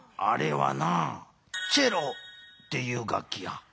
あれはなチェロっていう楽器や。